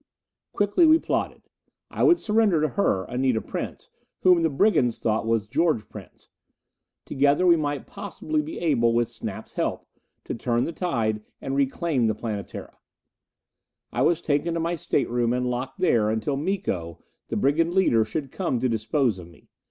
Quickly we plotted. I would surrender to her, Anita Prince, whom the brigands thought was George Prince. Together we might possibly be able, with Snap's help, to turn the tide, and reclaim the Planetara. I was taken to my stateroom and locked there until Miko the brigand leader should come to dispose of me.